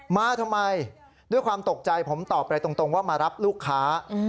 มาทำไมด้วยความตกใจผมตอบไปตรงว่ามารับลูกค้า